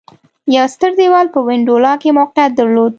یو ستر دېوال په وینډولا کې موقعیت درلود